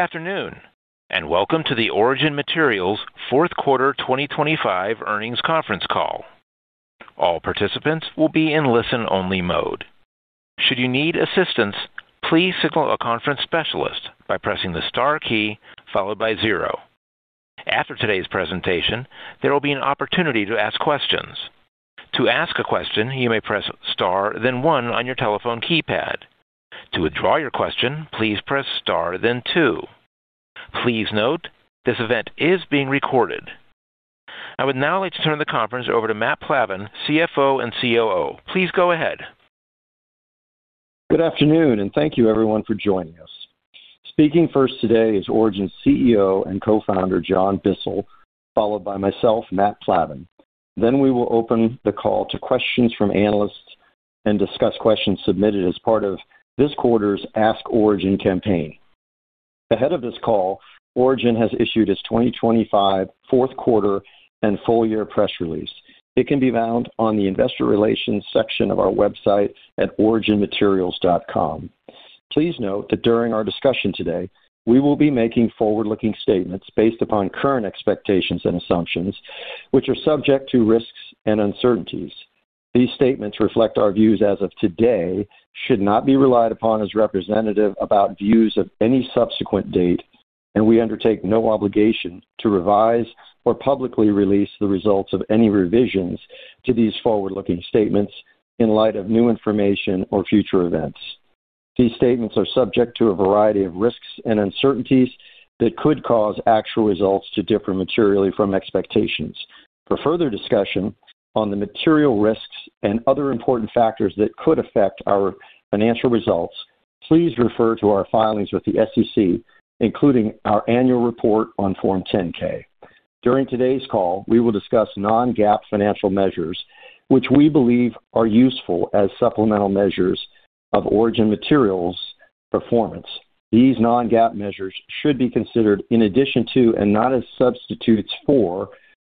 Good afternoon, and welcome to the Origin Materials Fourth Quarter 2025 Earnings Conference Call. All participants will be in listen-only mode. Should you need assistance, please signal a conference specialist by pressing the star key followed by zero. After today's presentation, there will be an opportunity to ask questions. To ask a question, you may press star then one on your telephone keypad. To withdraw your question, please press star then two. Please note, this event is being recorded. I would now like to turn the conference over to Matt Plavan, CFO and COO. Please go ahead. Good afternoon, and thank you everyone for joining us. Speaking first today is Origin's CEO and Co-founder, John Bissell, followed by myself, Matt Plavan. We will open the call to questions from analysts and discuss questions submitted as part of this quarter's Ask Origin campaign. Ahead of this call, Origin has issued its 2025 fourth quarter and full year press release. It can be found on the investor relations section of our website at originmaterials.com. Please note that during our discussion today, we will be making forward-looking statements based upon current expectations and assumptions, which are subject to risks and uncertainties. These statements reflect our views as of today, should not be relied upon as representative about views of any subsequent date, and we undertake no obligation to revise or publicly release the results of any revisions to these forward-looking statements in light of new information or future events. These statements are subject to a variety of risks and uncertainties that could cause actual results to differ materially from expectations. For further discussion on the material risks and other important factors that could affect our financial results, please refer to our filings with the SEC, including our annual report on Form 10-K. During today's call, we will discuss non-GAAP financial measures, which we believe are useful as supplemental measures of Origin Materials' performance. These non-GAAP measures should be considered in addition to, and not as substitutes for,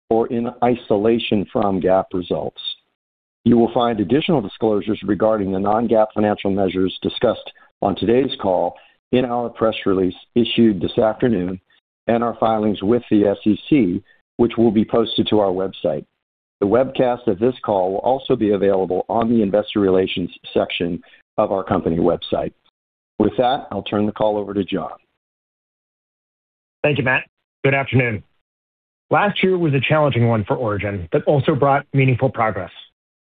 or in isolation from GAAP results. You will find additional disclosures regarding the non-GAAP financial measures discussed on today's call in our press release issued this afternoon and our filings with the SEC, which will be posted to our website. The webcast of this call will also be available on the investor relations section of our company website. With that, I'll turn the call over to John. Thank you, Matt. Good afternoon. Last year was a challenging one for Origin, but also brought meaningful progress.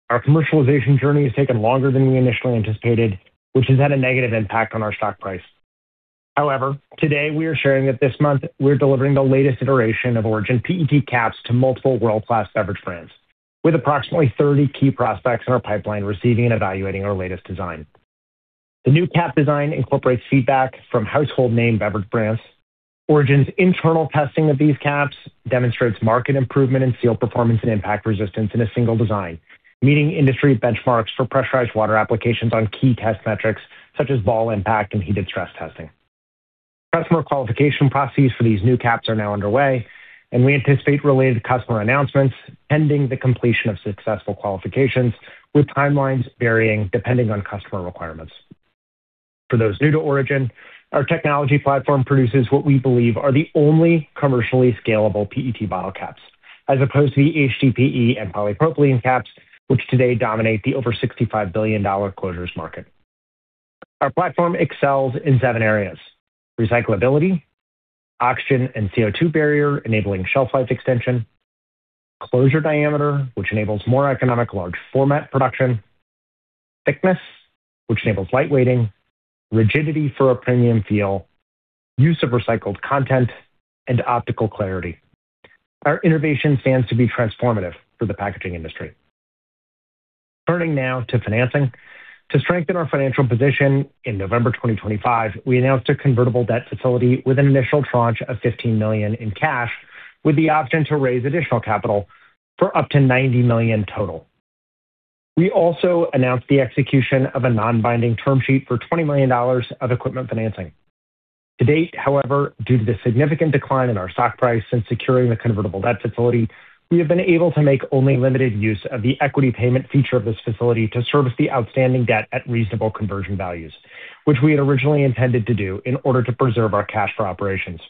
Our commercialization journey has taken longer than we initially anticipated, which has had a negative impact on our stock price. However, today we are sharing that this month we're delivering the latest iteration of Origin PET caps to multiple world-class beverage brands, with approximately 30 key prospects in our pipeline receiving and evaluating our latest design. The new cap design incorporates feedback from household name beverage brands. Origin's internal testing of these caps demonstrates marked improvement in seal performance and impact resistance in a single design, meeting industry benchmarks for pressurized water applications on key test metrics such as ball impact and heat stress testing. Customer qualification processes for these new caps are now underway, and we anticipate related customer announcements pending the completion of successful qualifications, with timelines varying depending on customer requirements. For those new to Origin, our technology platform produces what we believe are the only commercially scalable PET bottle caps, as opposed to the HDPE and polypropylene caps, which today dominate the over $65 billion closures market. Our platform excels in seven areas, recyclability, oxygen and CO2 barrier, enabling shelf life extension, closure diameter, which enables more economic large format production, thickness, which enables light weighting, rigidity for a premium feel, use of recycled content, and optical clarity. Our innovation stands to be transformative for the packaging industry. Turning now to financing. To strengthen our financial position, in November 2025, we announced a convertible debt facility with an initial tranche of $15 million in cash, with the option to raise additional capital for up to $90 million total. We also announced the execution of a non-binding term sheet for $20 million of equipment financing. To date, however, due to the significant decline in our stock price since securing the convertible debt facility, we have been able to make only limited use of the equity payment feature of this facility to service the outstanding debt at reasonable conversion values, which we had originally intended to do in order to preserve our cash for operations.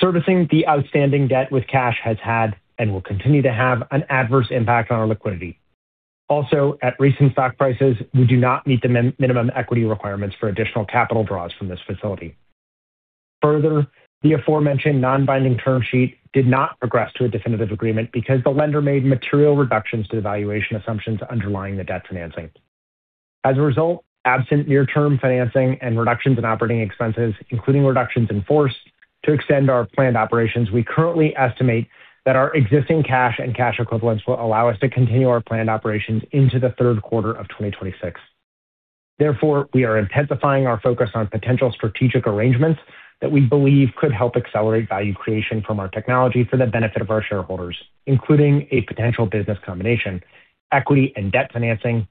Servicing the outstanding debt with cash has had, and will continue to have, an adverse impact on our liquidity. At recent stock prices, we do not meet the minimum equity requirements for additional capital draws from this facility. Further, the aforementioned non-binding term sheet did not progress to a definitive agreement because the lender made material reductions to the valuation assumptions underlying the debt financing. As a result, absent near-term financing and reductions in operating expenses, including reductions in force to extend our planned operations, we currently estimate that our existing cash and cash equivalents will allow us to continue our planned operations into the third quarter of 2026. Therefore, we are intensifying our focus on potential strategic arrangements that we believe could help accelerate value creation from our technology for the benefit of our shareholders, including a potential business combination, equity and debt financing,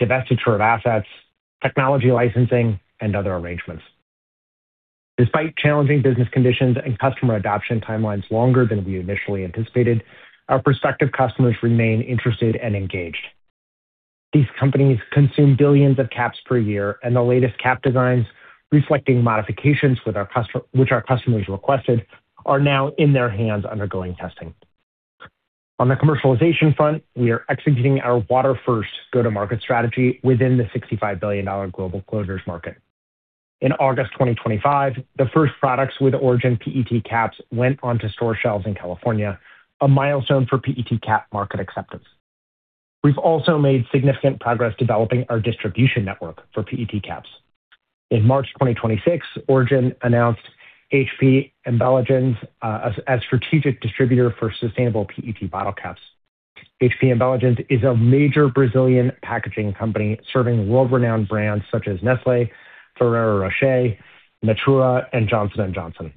divestiture of assets, technology licensing, and other arrangements. Despite challenging business conditions and customer adoption timelines longer than we initially anticipated, our prospective customers remain interested and engaged. These companies consume billions of caps per year, and the latest cap designs, reflecting modifications with our customer, which our customers requested, are now in their hands undergoing testing. On the commercialization front, we are executing our water-first go-to-market strategy within the $65 billion global closures market. In August 2025, the first products with Origin PET caps went onto store shelves in California, a milestone for PET cap market acceptance. We've also made significant progress developing our distribution network for PET caps. In March 2026, Origin announced HP Embalagens as strategic distributor for sustainable PET bottle caps. HP Embalagens is a major Brazilian packaging company serving world-renowned brands such as Nestlé, Ferrero Rocher, Natura, and Johnson & Johnson.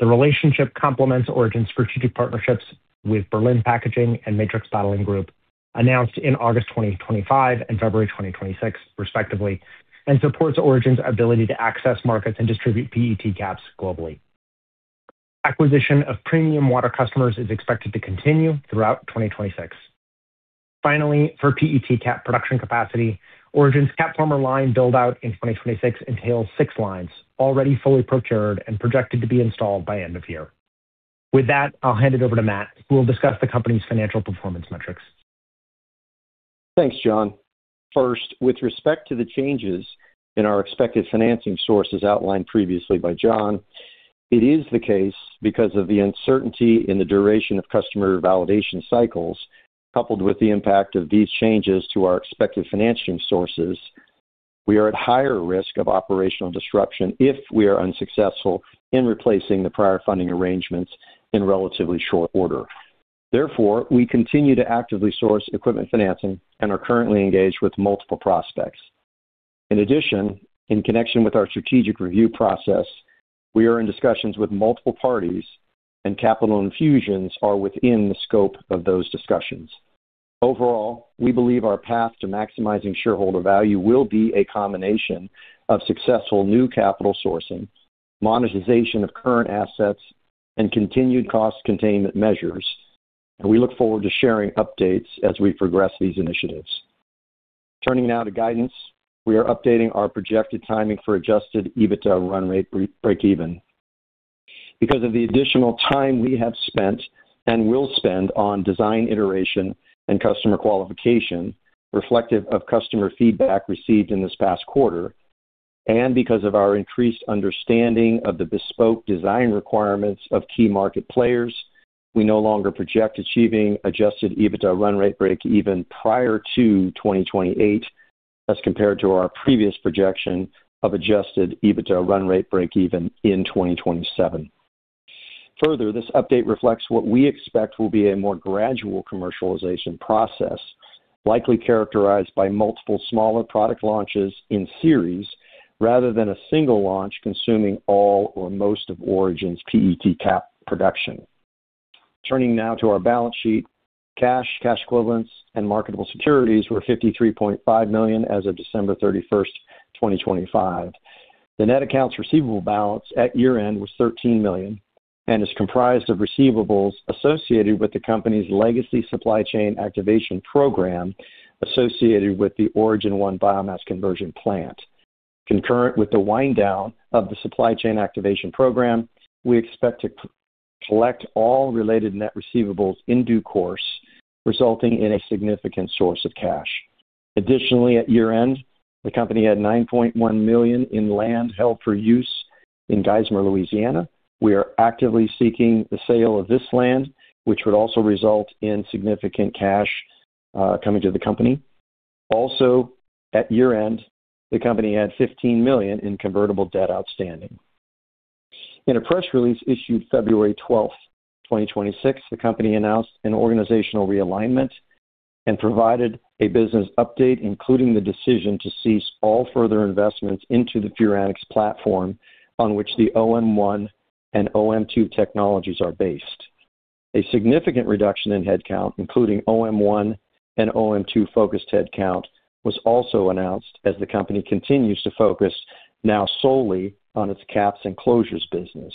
The relationship complements Origin's strategic partnerships with Berlin Packaging and Matrix Bottling Group, announced in August 2025 and February 2026 respectively, and supports Origin's ability to access markets and distribute PET caps globally. Acquisition of premium water customers is expected to continue throughout 2026. Finally, for PET cap production capacity, Origin's CapFormer line build-out in 2026 entails six lines already fully procured and projected to be installed by end of year. With that, I'll hand it over to Matt, who will discuss the company's financial performance metrics. Thanks, John. First, with respect to the changes in our expected financing sources outlined previously by John, it is the case because of the uncertainty in the duration of customer validation cycles, coupled with the impact of these changes to our expected financing sources, we are at higher risk of operational disruption if we are unsuccessful in replacing the prior funding arrangements in relatively short order. Therefore, we continue to actively source equipment financing and are currently engaged with multiple prospects. In addition, in connection with our strategic review process, we are in discussions with multiple parties, and capital infusions are within the scope of those discussions. Overall, we believe our path to maximizing shareholder value will be a combination of successful new capital sourcing, monetization of current assets, and continued cost containment measures. We look forward to sharing updates as we progress these initiatives. Turning now to guidance, we are updating our projected timing for Adjusted EBITDA run rate breakeven. Because of the additional time we have spent and will spend on design iteration and customer qualification, reflective of customer feedback received in this past quarter, and because of our increased understanding of the bespoke design requirements of key market players, we no longer project achieving Adjusted EBITDA run rate breakeven prior to 2028 as compared to our previous projection of Adjusted EBITDA run rate breakeven in 2027. Further, this update reflects what we expect will be a more gradual commercialization process, likely characterized by multiple smaller product launches in series rather than a single launch consuming all or most of Origin's PET cap production. Turning now to our balance sheet, cash equivalents, and marketable securities were $53.5 million as of December 31st, 2025. The net accounts receivable balance at year-end was $13 million and is comprised of receivables associated with the company's legacy supply chain activation program associated with the Origin 1 biomass conversion plant. Concurrent with the wind down of the supply chain activation program, we expect to collect all related net receivables in due course, resulting in a significant source of cash. Additionally, at year-end, the company had $9.1 million in land held for use in Geismar, Louisiana. We are actively seeking the sale of this land, which would also result in significant cash coming to the company. Also, at year-end, the company had $15 million in convertible debt outstanding. In a press release issued February 12th, 2026, the company announced an organizational realignment and provided a business update, including the decision to cease all further investments into the Furanics platform on which the OM1 and OM2 technologies are based. A significant reduction in headcount, including OM1 and OM2-focused headcount, was also announced as the company continues to focus now solely on its caps and closures business.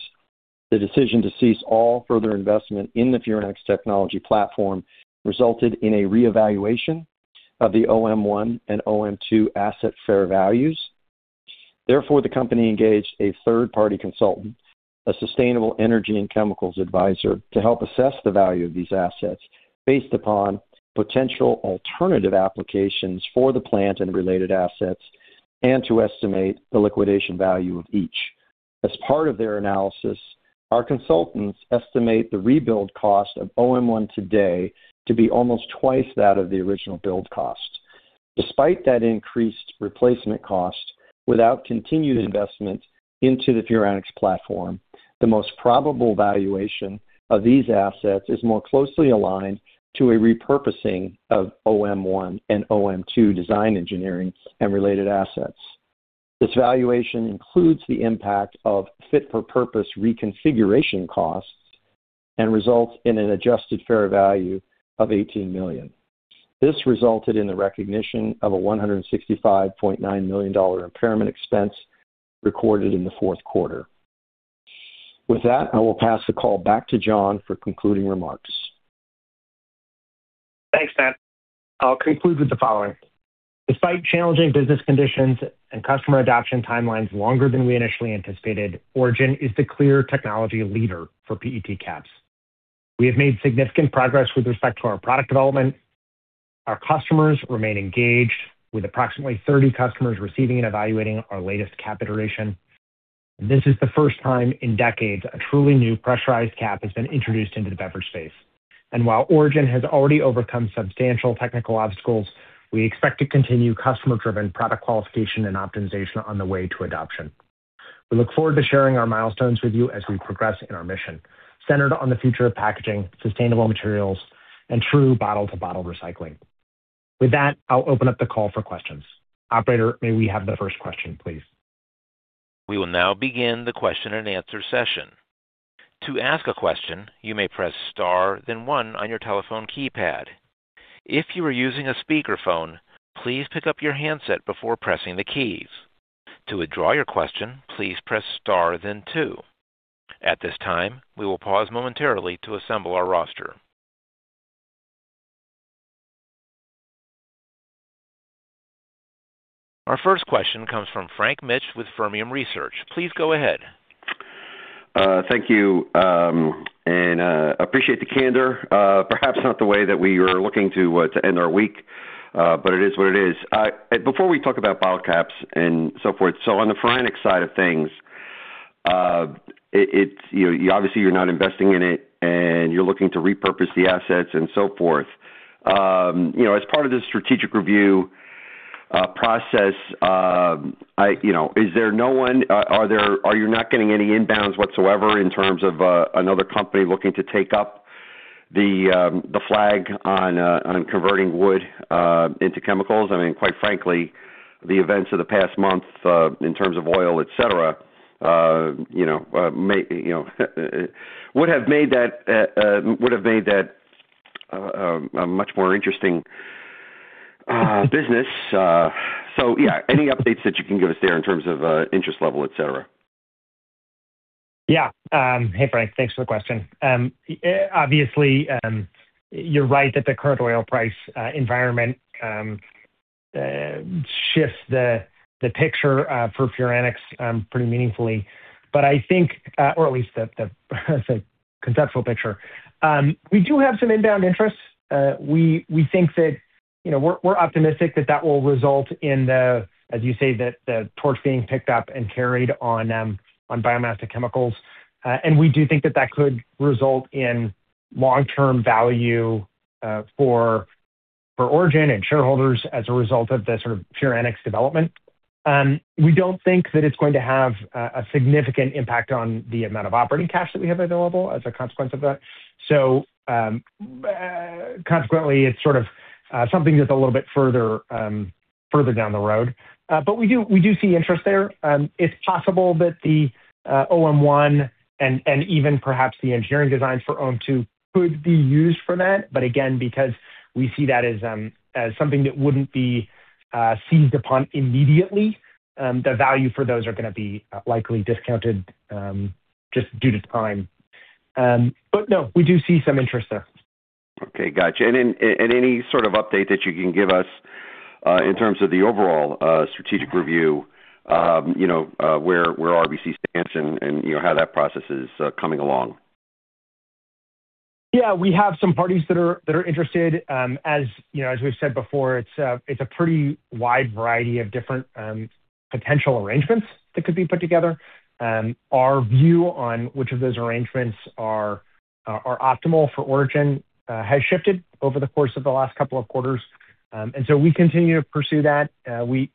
The decision to cease all further investment in the Furanics technology platform resulted in a reevaluation of the OM1 and OM2 asset fair values. Therefore, the company engaged a third-party consultant, a sustainable energy and chemicals advisor, to help assess the value of these assets based upon potential alternative applications for the plant and related assets and to estimate the liquidation value of each. As part of their analysis, our consultants estimate the rebuild cost of OM1 today to be almost twice that of the original build cost. Despite that increased replacement cost, without continued investment into the Furanics platform, the most probable valuation of these assets is more closely aligned to a repurposing of OM1 and OM2 design engineering and related assets. This valuation includes the impact of fit-for-purpose reconfiguration costs and results in an adjusted fair value of $18 million. This resulted in the recognition of a $165.9 million impairment expense recorded in the fourth quarter. With that, I will pass the call back to John for concluding remarks. Thanks, Matt. I'll conclude with the following. Despite challenging business conditions and customer adoption timelines longer than we initially anticipated, Origin is the clear technology leader for PET caps. We have made significant progress with respect to our product development. Our customers remain engaged with approximately 30 customers receiving and evaluating our latest cap iteration. This is the first time in decades a truly new pressurized cap has been introduced into the beverage space. While Origin has already overcome substantial technical obstacles, we expect to continue customer-driven product qualification and optimization on the way to adoption. We look forward to sharing our milestones with you as we progress in our mission, centered on the future of packaging, sustainable materials, and true bottle-to-bottle recycling. With that, I'll open up the call for questions. Operator, may we have the first question, please? We will now begin the question and answer session. To ask a question, you may press star then one on your telephone keypad. If you are using a speakerphone, please pick up your handset before pressing the keys. To withdraw your question, please press star then two. At this time, we will pause momentarily to assemble our roster. Our first question comes from Frank Mitsch with Fermium Research. Please go ahead. Thank you and appreciate the candor. Perhaps not the way that we are looking to end our week, but it is what it is. Before we talk about bottle caps and so forth, on the Furanics side of things, it's, you know, obviously you're not investing in it, and you're looking to repurpose the assets and so forth. You know, as part of the strategic review process, I, you know, are you not getting any inbounds whatsoever in terms of another company looking to take up the flag on converting wood into chemicals? I mean, quite frankly, the events of the past month, in terms of oil, et cetera, you know, would have made that a much more interesting business. Yeah, any updates that you can give us there in terms of interest level, et cetera? Yeah. Hey, Frank, thanks for the question. Obviously, you're right that the current oil price environment shifts the picture for Furanics pretty meaningfully, or at least the conceptual picture. We do have some inbound interest. We think that, you know, we're optimistic that that will result in, as you say, the torch being picked up and carried on biomass to chemicals. We do think that that could result in long-term value for Origin and shareholders as a result of the sort of Furanics development. We don't think that it's going to have a significant impact on the amount of operating cash that we have available as a consequence of that. Consequently, it's sort of something that's a little bit further down the road. We do see interest there. It's possible that the OM1 and even perhaps the engineering designs for OM2 could be used for that. Again, because we see that as something that wouldn't be seized upon immediately, the value for those are gonna be likely discounted just due to time. No, we do see some interest there. Okay. Gotcha. Any sort of update that you can give us in terms of the overall strategic review, you know, where RBC stands and you know how that process is coming along? Yeah. We have some parties that are interested. As you know, as we've said before, it's a pretty wide variety of different potential arrangements that could be put together. Our view on which of those arrangements are optimal for Origin has shifted over the course of the last couple of quarters. We continue to pursue that. As we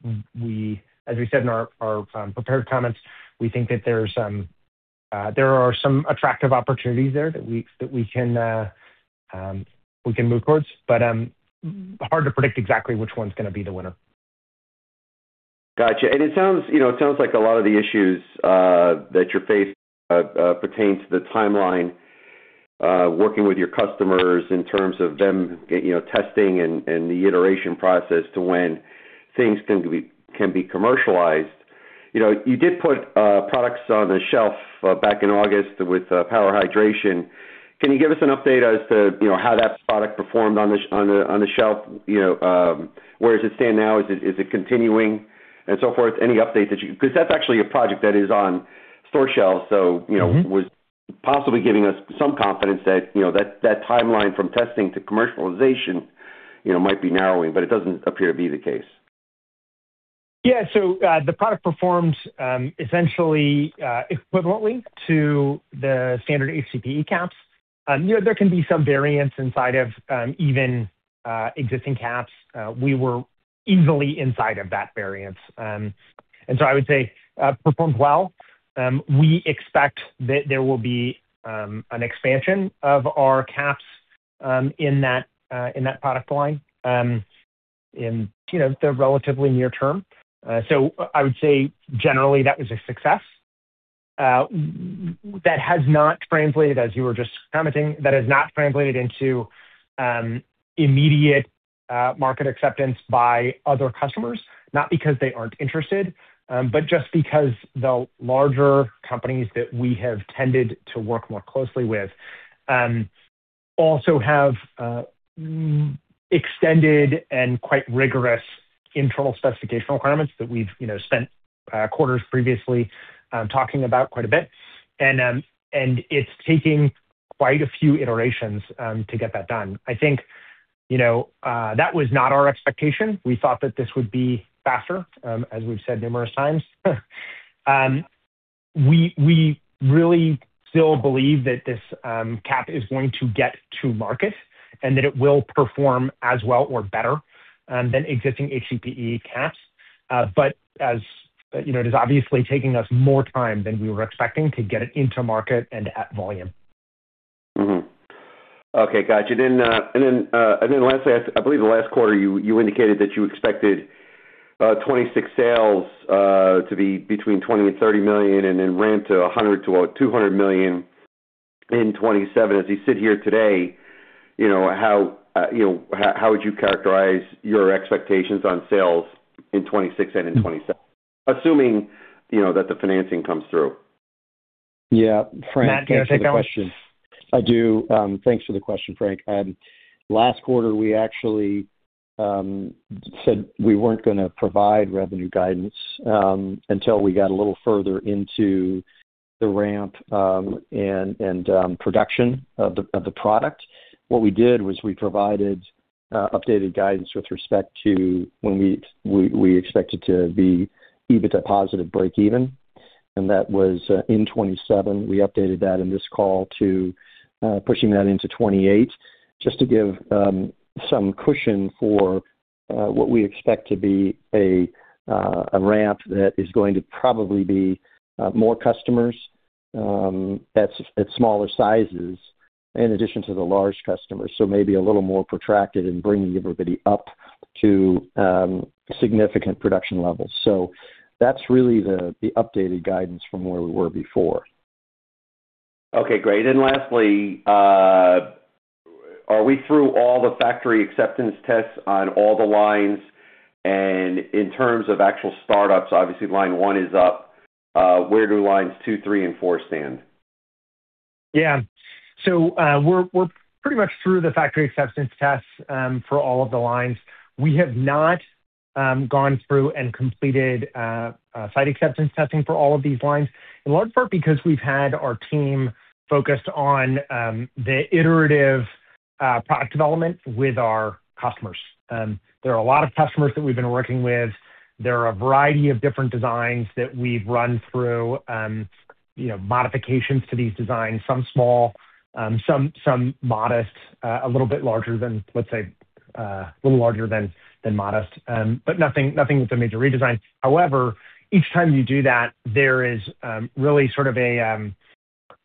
said in our prepared comments, we think that there are some attractive opportunities there that we can move towards, but hard to predict exactly which one's gonna be the winner. Gotcha. It sounds, you know, it sounds like a lot of the issues that you're faced pertains to the timeline working with your customers in terms of them, you know, testing and the iteration process to when things can be commercialized. You know, you did put products on the shelf back in August with Power Hydration. Can you give us an update as to, you know, how that product performed on the shelf? You know, where does it stand now? Is it continuing and so forth? Any update that you? 'Cause that's actually a project that is on store shelves, so, you know. Mm-hmm. Was possibly giving us some confidence that, you know, timeline from testing to commercialization, you know, might be narrowing, but it doesn't appear to be the case. Yeah. The product performs essentially equivalently to the standard HDPE caps. You know, there can be some variance inside of even existing caps. We were easily inside of that variance. I would say performed well. We expect that there will be an expansion of our caps in that product line in you know the relatively near term. I would say generally that was a success. That has not translated, as you were just commenting, into immediate market acceptance by other customers, not because they aren't interested, but just because the larger companies that we have tended to work more closely with also have extended and quite rigorous internal specification requirements that we've, you know, spent quarters previously talking about quite a bit. It's taking quite a few iterations to get that done. I think, you know, that was not our expectation. We thought that this would be faster, as we've said numerous times. We really still believe that this cap is going to get to market and that it will perform as well or better than existing HDPE caps. As you know, it is obviously taking us more time than we were expecting to get it into market and at volume. Mm-hmm. Okay. Got you. Lastly, I believe the last quarter you indicated that you expected 2026 sales to be between $20 million and $30 million, and then ramp to $100 million-$200 million in 2027. As you sit here today, you know, how would you characterize your expectations on sales in 2026 and in 2027? Assuming, you know, that the financing comes through. Yeah. Frank. Matt, do you want to take that one? Thanks for the question. I do. Thanks for the question, Frank. Last quarter, we actually said we weren't gonna provide revenue guidance until we got a little further into the ramp, and production of the product. What we did was we provided updated guidance with respect to when we expected to be EBITDA positive breakeven, and that was in 2027. We updated that in this call to pushing that into 2028, just to give some cushion for what we expect to be a ramp that is going to probably be more customers at smaller sizes in addition to the large customers. Maybe a little more protracted in bringing everybody up to significant production levels. That's really the updated guidance from where we were before. Okay, great. Lastly, are we through all the factory acceptance tests on all the lines? In terms of actual startups, obviously line one is up. Where do lines two, three and four stand? Yeah. We're pretty much through the factory acceptance tests for all of the lines. We have not gone through and completed site acceptance testing for all of these lines, in large part because we've had our team focused on the iterative product development with our customers. There are a lot of customers that we've been working with. There are a variety of different designs that we've run through you know modifications to these designs, some small, some modest, a little bit larger than, let's say, a little larger than modest, but nothing with a major redesign. However, each time you do that, there is really sort of a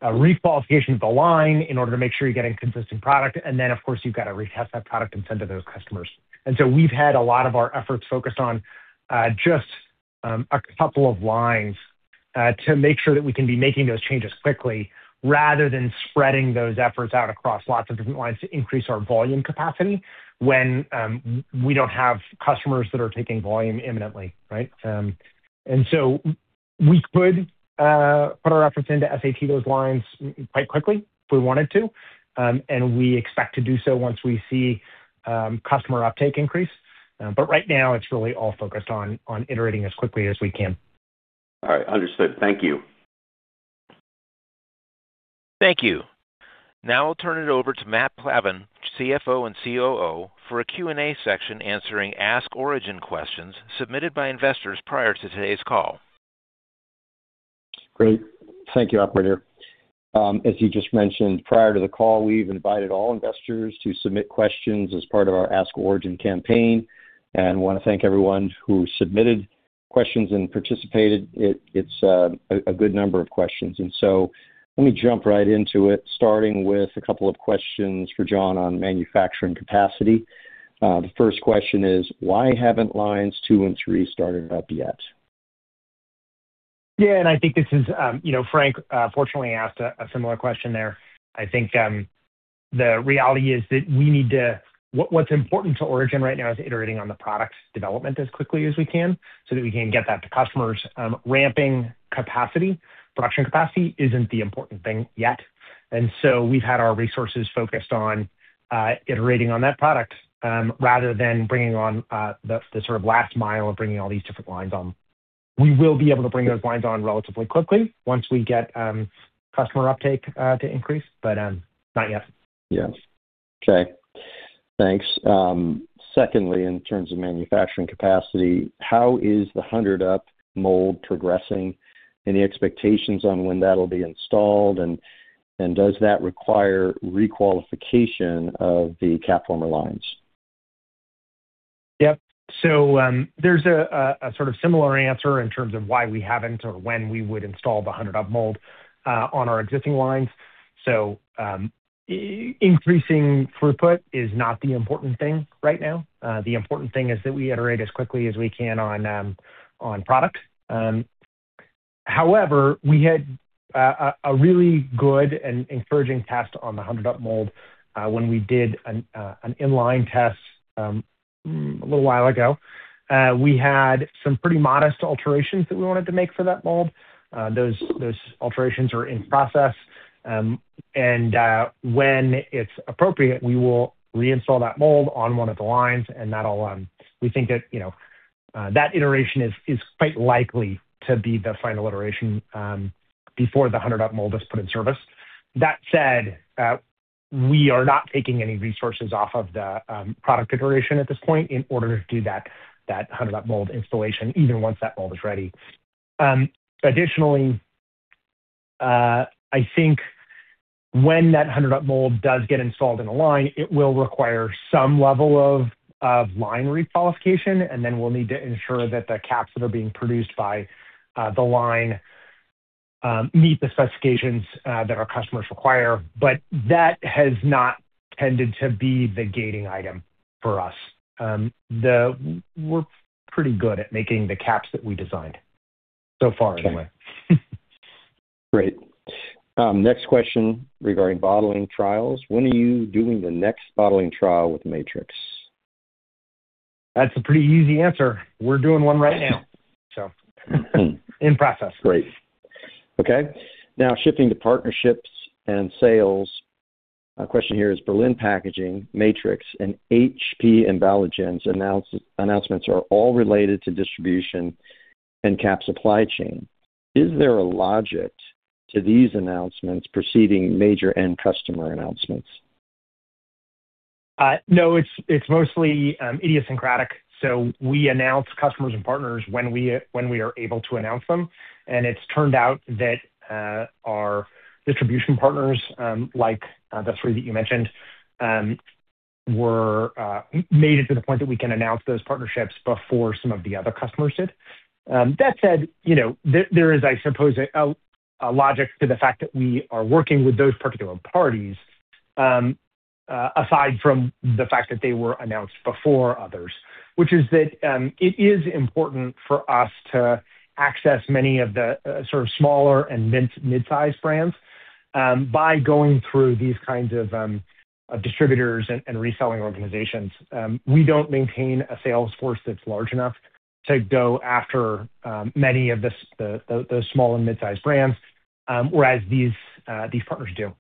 requalification of the line in order to make sure you're getting consistent product. Then, of course, you've got to retest that product and send to those customers. We've had a lot of our efforts focused on just a couple of lines to make sure that we can be making those changes quickly rather than spreading those efforts out across lots of different lines to increase our volume capacity when we don't have customers that are taking volume imminently, right? We could put our efforts into SAT those lines quite quickly if we wanted to. We expect to do so once we see customer uptake increase. Right now it's really all focused on iterating as quickly as we can. All right. Understood. Thank you. Thank you. Now I'll turn it over to Matt Plavan, CFO and COO, for a Q&A section answering Ask Origin questions submitted by investors prior to today's call. Great. Thank you, operator. As you just mentioned, prior to the call, we've invited all investors to submit questions as part of our Ask Origin campaign, and want to thank everyone who submitted questions and participated. It's a good number of questions. Let me jump right into it, starting with a couple of questions for John on manufacturing capacity. The first question is, why haven't lines two and three started up yet? Yeah, I think this is. You know, Frank, fortunately asked a similar question there. I think, the reality is that what's important to Origin right now is iterating on the product's development as quickly as we can so that we can get that to customers. Ramping capacity, production capacity isn't the important thing yet. We've had our resources focused on iterating on that product, rather than bringing on the sort of last mile of bringing all these different lines on. We will be able to bring those lines on relatively quickly once we get customer uptake to increase, but not yet. Yes. Okay. Thanks. Secondly, in terms of manufacturing capacity, how is the 100-up mold progressing? Any expectations on when that'll be installed, and does that require requalification of the CapFormer lines? Yep. There's a sort of similar answer in terms of why we haven't or when we would install the 100-up mold on our existing lines. Increasing throughput is not the important thing right now. The important thing is that we iterate as quickly as we can on product. However, we had a really good and encouraging test on the 100-up mold when we did an inline test a little while ago. We had some pretty modest alterations that we wanted to make for that mold. Those alterations are in process. When it's appropriate, we will reinstall that mold on one of the lines, and that'll. We think that, you know, that iteration is quite likely to be the final iteration before the 100-up mold is put in service. That said, we are not taking any resources off of the product iteration at this point in order to do that 100-up mold installation, even once that mold is ready. Additionally, I think when that 100-up mold does get installed in a line, it will require some level of line requalification, and then we'll need to ensure that the caps that are being produced by the line meet the specifications that our customers require. But that has not tended to be the gating item for us. We're pretty good at making the caps that we designed, so far anyway. Great. Next question regarding bottling trials. When are you doing the next bottling trial with Matrix? That's a pretty easy answer. We're doing one right now, so in process. Great. Okay. Now shifting to partnerships and sales. A question here is Berlin Packaging, Matrix, and HP Embalagens's announcements are all related to distribution and cap supply chain. Is there a logic to these announcements preceding major end customer announcements? No, it's mostly idiosyncratic. We announce customers and partners when we are able to announce them. It's turned out that our distribution partners, like the three that you mentioned, we made it to the point that we can announce those partnerships before some of the other customers did. That said, you know, there is, I suppose, a logic to the fact that we are working with those particular parties aside from the fact that they were announced before others, which is that it is important for us to access many of the sort of smaller and mid-sized brands by going through these kinds of distributors and reselling organizations. We don't maintain a sales force that's large enough to go after many of the small and mid-sized brands, whereas these partners do.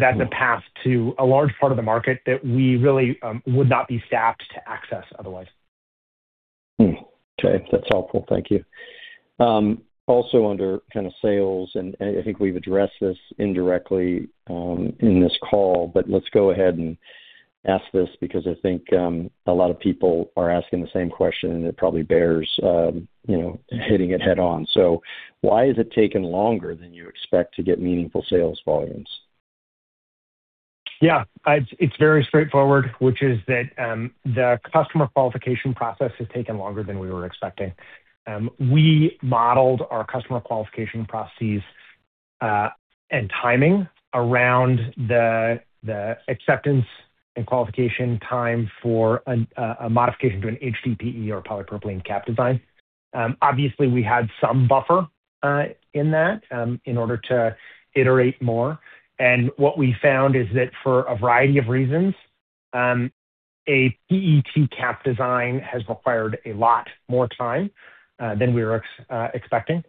That's a path to a large part of the market that we really would not be staffed to access otherwise. Okay. That's helpful. Thank you. Also under kinda sales, and I think we've addressed this indirectly in this call, but let's go ahead and ask this because I think a lot of people are asking the same question, and it probably bears you know hitting it head-on. Why has it taken longer than you expect to get meaningful sales volumes? Yeah. It's very straightforward, which is that the customer qualification process has taken longer than we were expecting. We modeled our customer qualification processes and timing around the acceptance and qualification time for a modification to an HDPE or polypropylene cap design. Obviously we had some buffer in that in order to iterate more. What we found is that for a variety of reasons a PET cap design has required a lot more time than we were expecting.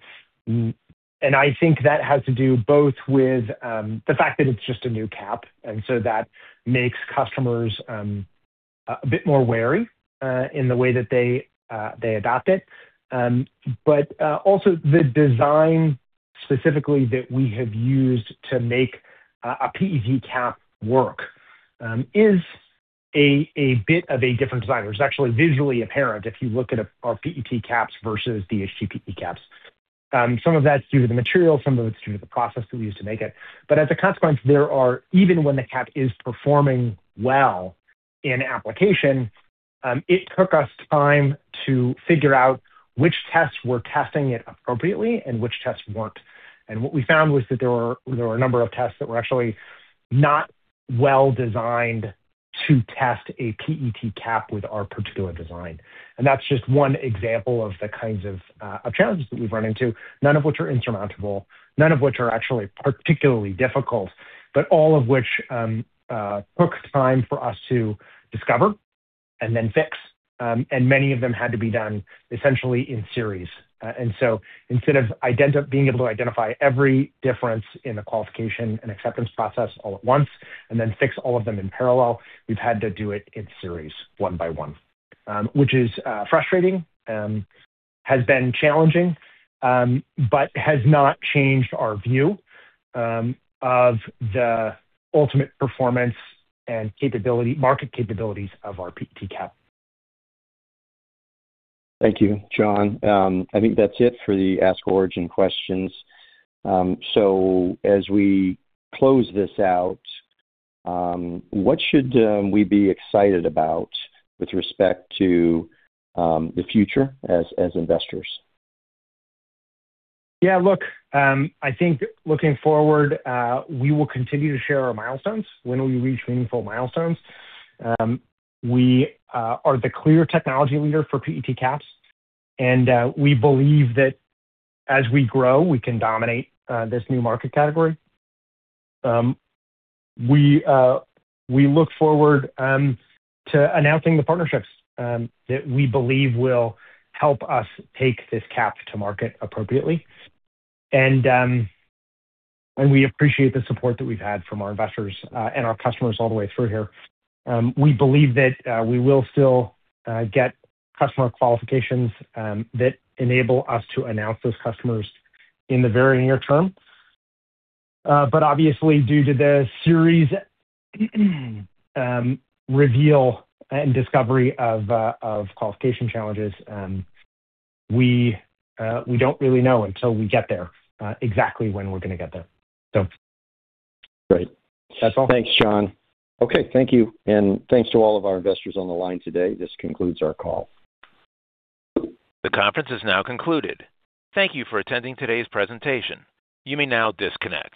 I think that has to do both with the fact that it's just a new cap, and so that makes customers a bit more wary in the way that they adopt it. Also the design specifically that we have used to make a PET cap work is a bit of a different design, or it's actually visually apparent if you look at our PET caps versus the HDPE caps. Some of that's due to the material, some of it's due to the process that we use to make it. As a consequence, even when the cap is performing well in application, it took us time to figure out which tests were testing it appropriately and which tests weren't. What we found was that there were a number of tests that were actually not well designed to test a PET cap with our particular design. That's just one example of the kinds of challenges that we've run into, none of which are insurmountable, none of which are actually particularly difficult, but all of which took time for us to discover and then fix. Many of them had to be done essentially in series. Instead of being able to identify every difference in the qualification and acceptance process all at once and then fix all of them in parallel, we've had to do it in series one by one. Which is frustrating, has been challenging, but has not changed our view of the ultimate performance and capability, market capabilities of our PET cap. Thank you, John. I think that's it for the Ask Origin questions. As we close this out, what should we be excited about with respect to the future as investors? Yeah. Look, I think looking forward, we will continue to share our milestones when we reach meaningful milestones. We are the clear technology leader for PET caps, and we believe that as we grow, we can dominate this new market category. We look forward to announcing the partnerships that we believe will help us take this cap to market appropriately. We appreciate the support that we've had from our investors and our customers all the way through here. We believe that we will still get customer qualifications that enable us to announce those customers in the very near term. Obviously, due to the series reveal and discovery of qualification challenges, we don't really know until we get there exactly when we're gonna get there. Great. That's all. Thanks, John. Okay. Thank you. Thanks to all of our investors on the line today. This concludes our call. The conference is now concluded. Thank you for attending today's presentation. You may now disconnect.